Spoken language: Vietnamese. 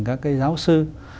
các cái giáo sư